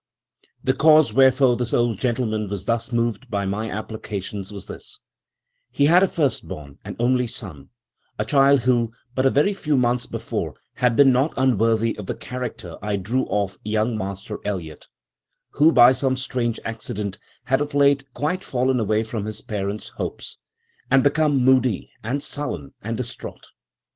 "The cause wherefore this old gentleman was thus moved by my applications was this: He had a first born and only son—a child who, but a very few months before, had been not unworthy of the character I drew of young Master Eliot, but who, by some strange accident, had of late quite fallen away from his parent's hopes, and become moody, and sullen, and distraught.